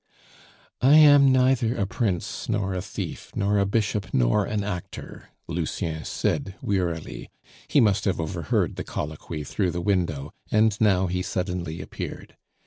"I am neither a prince nor a thief, nor a bishop nor an actor," Lucien said wearily; he must have overheard the colloquy through the window, and now he suddenly appeared.